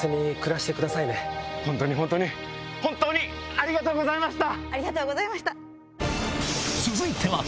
本当に本当に本当にありがとうございました。